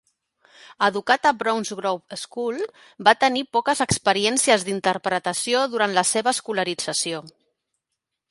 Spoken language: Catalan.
Educat a Bromsgrove School, va tenir poques experiències d'interpretació durant la seva escolarització.